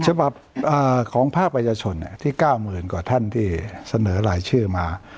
ฉบับของภาคประชาชนที่๙๐๐กว่าท่านที่เสนอรายชื่อมา